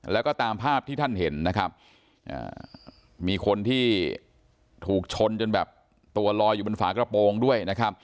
แล้วก็ตามภาพที่ท่านเห็นนะครับมีคนที่ถูกชนจนแบบตัวลอยอยู่บนฝากระโปรงด้วยนะครับ